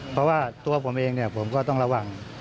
เพราะว่าตัวผมเองเนี่ยผมก็ต้องระวัง